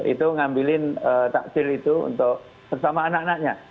itu ngambilin taksil itu untuk bersama anak anaknya